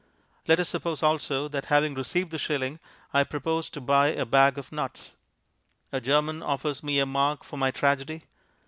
Let us suppose also that, having received the shilling, I propose to buy a bag of nuts. A German offers me a mark for my tragedy.